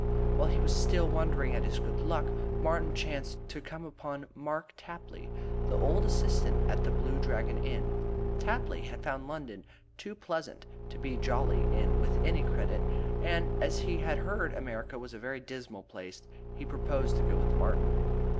While he was still wondering at this good luck, Martin chanced to come upon Mark Tapley, the old assistant at The Blue Dragon Inn. Tapley had found London too pleasant a place to be jolly in with any credit, and, as he had heard America was a very dismal place, he proposed to go with Martin.